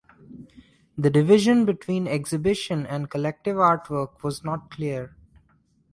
The division between exhibition and collective artwork was not clear.